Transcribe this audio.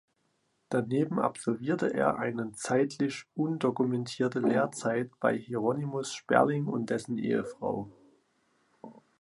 Daneben absolvierte er einen zeitlich undokumentierte Lehrzeit bei Hieronymus Sperling und dessen Ehefrau.